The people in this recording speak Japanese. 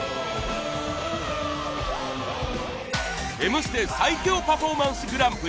『Ｍステ』最強パフォーマンスグランプリ